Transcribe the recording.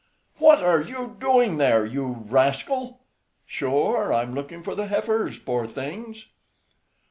"What are you doing there, you rascal?" "Sure, I'm looking for the heifers, poor things!"